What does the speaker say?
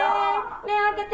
目開けて！